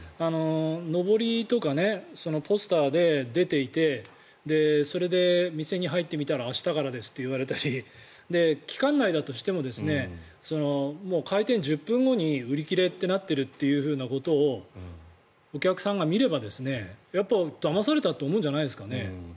のぼりとかポスターで出ていてそれで店に入ってみたら明日からですと言われたり期間内だとしても開店１０分後に売り切れとなっているということをお客さんが見ればやっぱりだまされたと思うんじゃないですかね。